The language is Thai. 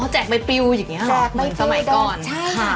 จากไม่ผิวอย่างนี้เหรอ